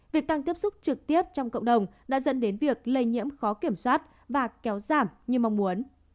việc tăng tiếp xúc trực tiếp trong cộng đồng đã dẫn đến việc lây nhiễm khó kiểm soát và kéo giảm như mong muốn